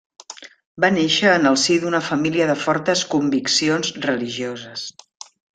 Va néixer en el si d'una família de fortes conviccions religioses.